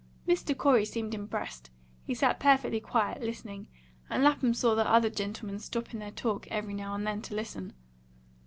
Mr. Corey seemed impressed; he sat perfectly quiet, listening, and Lapham saw the other gentlemen stop in their talk every now and then to listen.